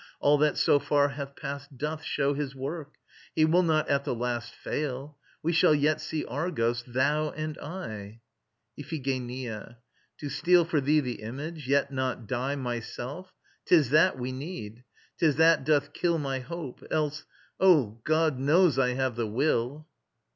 All that so far hath past Doth show his work. He will not at the last Fail. We shall yet see Argos, thou and I. IPHIGENIA. To steal for thee the image, yet not die Myself! 'Tis that we need. 'Tis that doth kill My hope. Else ... Oh, God knows I have the will!